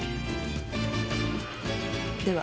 では。